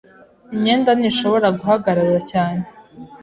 Iyi myenda ntishobora guhagarara cyane.